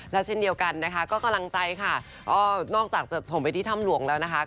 แล้วเช่นเดียวกันนะคะก็กำลังใจค่ะก็นอกจากจะส่งไปที่ถ้ำหลวงแล้วนะคะ